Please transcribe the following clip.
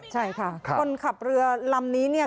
ใช่ค่ะคนขับเรือลำนี้เนี่ย